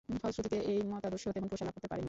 ফলশ্রুতিতে এই মতাদর্শ তেমন প্রসার লাভ করতে পারেনি।